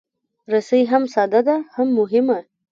رسۍ هم ساده ده، هم مهمه.